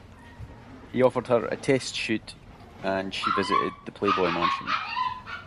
He offered her a test shoot, and she visited the Playboy Mansion.